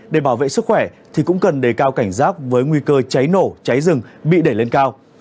để bảo vệ sức khỏe thì cũng cần đề cao cảnh giác với nguy cơ cháy nổ cháy rừng bị đẩy lên cao